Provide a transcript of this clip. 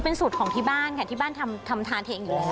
เป็นสูตรของที่บ้านค่ะที่บ้านทำทานเองอยู่แล้ว